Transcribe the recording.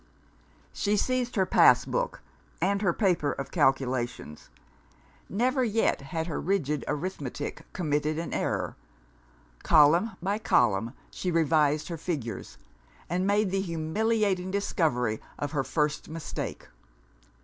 She seized her pass book, and her paper of calculations. Never yet had her rigid arithmetic committed an error. Column by column she revised her figures and made the humiliating discovery of her first mistake.